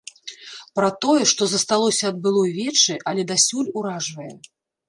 Пра тое, што засталося ад былой вечы, але дасюль уражвае.